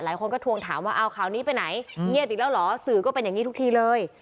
หลายคนก็ทวงถามว่าเอาข่าวนี้ไปไหนเงียบอีกแล้วเหรอสื่อก็เป็นอย่างนี้ทุกทีเลย